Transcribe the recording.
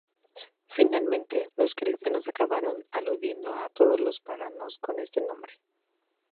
Finalmente, los cristianos acabaron aludiendo a todos los paganos con este nombre.